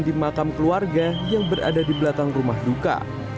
di makam keluarga yang berada di belakang rumah duka